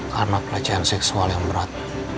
karena pelecehan seksual yang berat